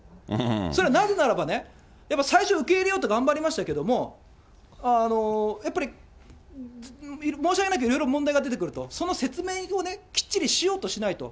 それはなぜならばね、やっぱり最初受け入れようと頑張りましたけども、やっぱり申し訳ないけれども、いろいろ問題が出てくると、その説明をきっちりしようとしないと。